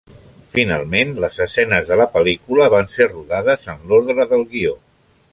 Finalment, les escenes de la pel·lícula van ser rodades en l'ordre del guió.